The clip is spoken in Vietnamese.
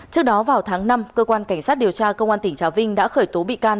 trước đó vào tháng năm cơ quan cảnh sát điều tra công an tỉnh trà vinh đã khởi tố bị can